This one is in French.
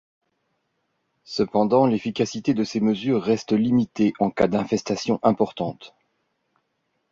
Cependant, l'efficacité de ces mesures reste limitée en cas d'infestation importante.